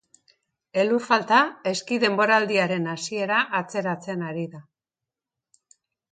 Elur falta eski denboraldiaren hasiera atzeratzen ari da.